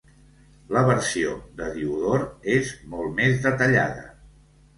La versió de Diodor és molt més detallada.